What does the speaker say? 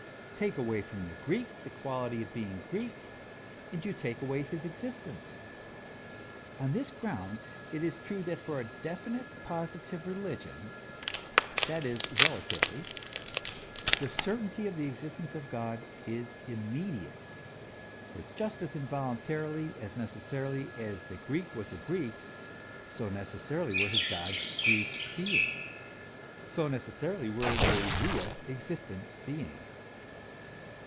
Take away from the Greek the quality of being Greek, and you take away his existence. On this ground, it is true that for a definite positive religion that is, relatively the certainty of the existence of God is immediate; for just as involuntarily, as necessarily, as the Greek was a Greek, so necessarily were his gods Greek beings, so necessarily were they real, existent beings.